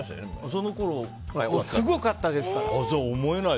そのころ、すごかったですから。